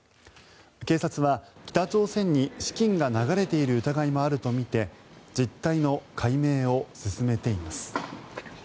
警察は北朝鮮に資金が流れている疑いもあるとみて実態の解明を進めています。